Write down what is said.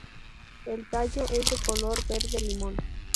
El tallo es de color verde limón.